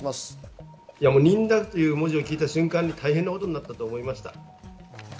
認諾という文字を聞いた時に、大変なことになったと思いました。